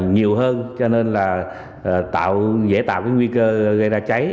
nhiều hơn cho nên là dễ tạo nguy cơ gây ra cháy